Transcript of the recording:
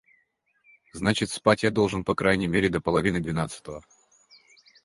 Значит, спать я должен по крайней мере до половины двенадцатого.